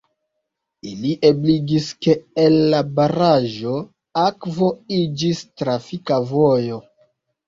Ili ebligis, ke el la baraĵo akvo iĝis trafika vojo.